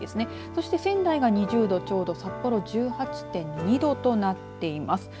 そして仙台が２０度ちょうど札幌１８．２度となっています。